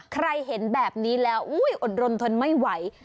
เห็นแบบนี้แล้วอดรนทนไม่ไหว